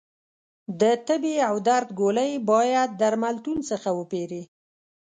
د تبې او درد ګولۍ باید درملتون څخه وپېری